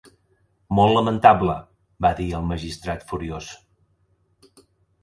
"Molt lamentable", va dir el magistrat furiós.